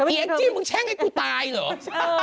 อิอิกจิมมึงแช่งให้กูตายเหรอ